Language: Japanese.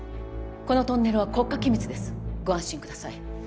このトンネルは国家機密ですご安心ください